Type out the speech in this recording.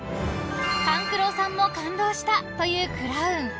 ［勘九郎さんも感動したというクラウン］